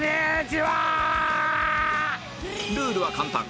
ルールは簡単